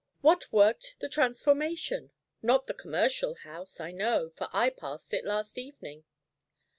"What worked the transformation? Not the Commercial House, I know, for I passed it last evening."